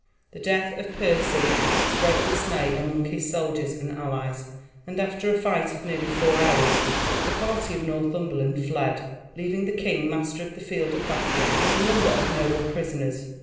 The death of Percy spread dismay among his soldiers and allies, and after a fight of nearly four hours the party of Northumberland fled, leaving the king master of the field of battle, and a number of noble prisoners.